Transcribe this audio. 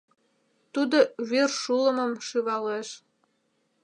— Тудо вӱр шулымым шӱвалеш.